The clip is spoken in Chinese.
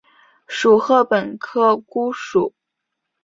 属禾本科菰属。